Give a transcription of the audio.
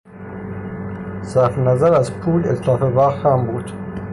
صرف نظر از پول، اتلاف وقت هم بود.